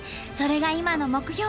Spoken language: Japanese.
それが今の目標